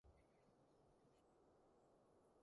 糟糕！情況不妙